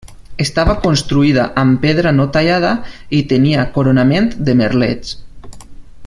Estava construïda amb pedra no tallada i tenia coronament de merlets.